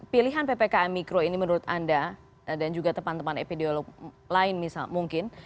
pilihan ppkm mikro ini menurut anda dan juga teman teman epidemiolog lain mungkin